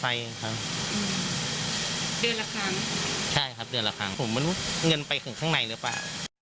ใช่ครับเดือนละครั้งผมไม่รู้เงินไปถึงข้างในหรือเปล่า